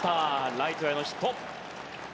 ライトへのヒット。